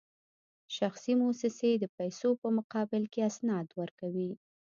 شخصي موسسې د پیسو په مقابل کې اسناد ورکوي